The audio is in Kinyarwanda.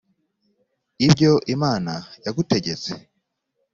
ibyo imana yagutegetse